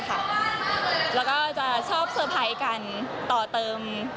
แล้วก็จะชอบเซอร์ไพรส์กันต่อเติม